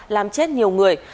làm chết nhiều người